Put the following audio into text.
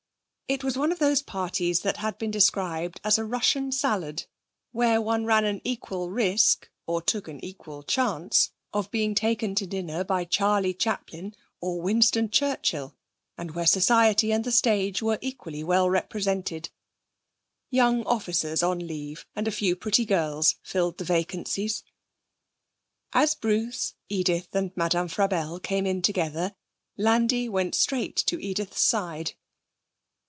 It was one of those parties that had been described as a Russian Salad, where one ran an equal risk or took an equal chance of being taken to dinner by Charlie Chaplin or Winston Churchill, and where society and the stage were equally well represented. Young officers on leave and a few pretty girls filled the vacancies. As Bruce, Edith and Madame Frabelle came in together, Landi went straight to Edith's side.